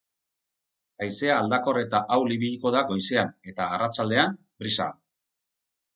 Haizea aldakor eta ahul ibiliko da goizean, eta arratsaldean, brisa.